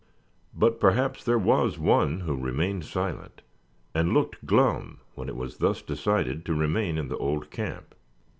But perhaps there was one who remained silent, and looked glum when it was thus decided to remain in the old camp.